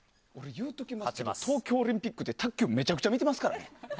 いうときますけど東京オリンピックで卓球めちゃくちゃ見てますからね。